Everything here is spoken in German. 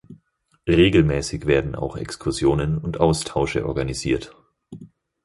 Regelmäßig werden auch Exkursionen und Austausche organisiert.